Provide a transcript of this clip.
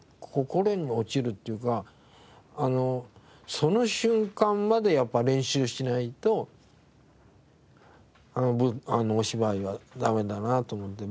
心に落ちるっていうかその瞬間までやっぱ練習しないとお芝居はダメだなと思って。